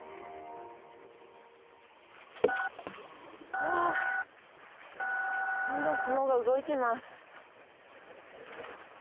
うわどんどん雲が動いてます。